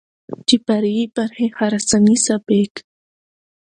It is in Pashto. چې فرعي برخې خراساني سبک،